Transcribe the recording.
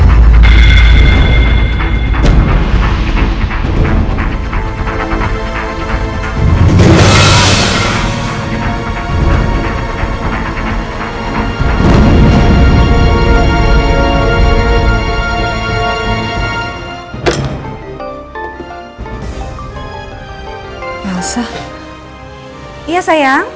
udah mau pas